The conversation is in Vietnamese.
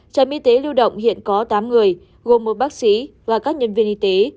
trạm y tế lưu động hiện có tám người gồm một bác sĩ và các nhân viên y tế